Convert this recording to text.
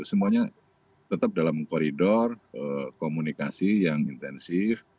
semuanya tetap dalam koridor komunikasi yang intensif